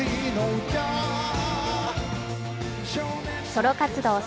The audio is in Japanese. ソロ活動